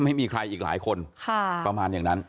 ไม่มีใครอีกหลายคน